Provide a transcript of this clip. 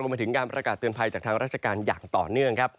มาถึงการประกาศเตือนภัยจากทางราชการอย่างต่อเนื่องครับ